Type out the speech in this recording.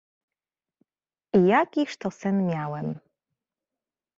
"I jakiż to sen miałem?"